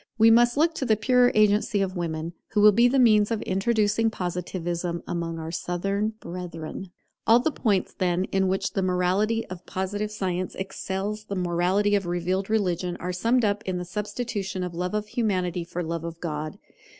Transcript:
We must look to the purer agency of women, who will be the means of introducing Positivism among our Southern brethren. All the points, then, in which the morality of Positive science excels the morality of revealed religion are summed up in the substitution of Love of Humanity for Love of God.